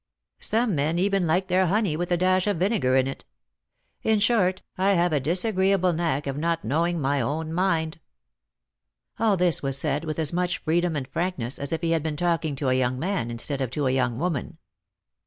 Some men even like their honey with a dash of vinegar in it. In short, I have a disagreeable knack of not knowing my own mind." All this was said with as much freedom and frankness as if he had been talking to a young man instead of to a young woman.